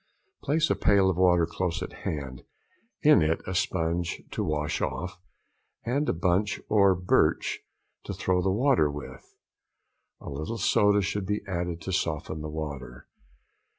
Place a pail of water close at hand, in it a sponge to wash off; and a bunch of birch to throw the water with. A little soda should be added to soften the water.